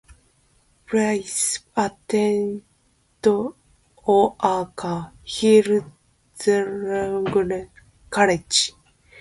Price attended Oak Hill Theological College.